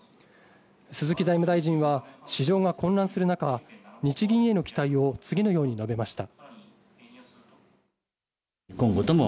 鈴木財務大臣は市場が混乱する中、日銀への期待を次のように述べました。